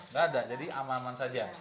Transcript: nggak ada jadi aman aman saja